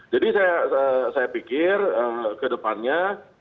jadi saya pikir ke depannya